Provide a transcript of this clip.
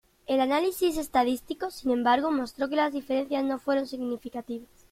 El análisis estadístico, sin embargo, mostró que las diferencias no fueron significativas.